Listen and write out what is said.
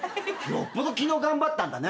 よっぽど昨日頑張ったんだね。